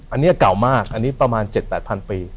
อันนี้เก่ามากอันนี้ประมาณ๗๘๐๐ปี